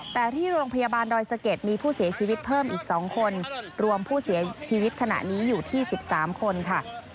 แต่ที่โรงพยาบาลดอยสะเก็ดมีผู้เสียชีวิตเพิ่มอีก๒คนรวมผู้เสียชีวิตขณะนี้อยู่ที่๑๓คนค่ะ